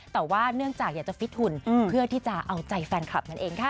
แต่ว่าเนื่องจากอยากจะฟิตหุ่นเพื่อที่จะเอาใจแฟนคลับนั่นเองค่ะ